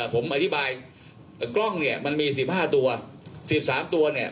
ผมอธิบายกล้องเนี่ยมันมีสิบห้าตัวสิบสามตัวเนี่ย